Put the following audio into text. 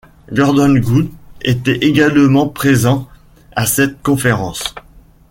Gordon Gould était également présent à cette conférence.